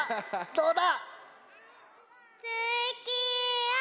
どうだ？